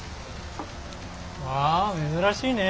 わあ珍しいねえ。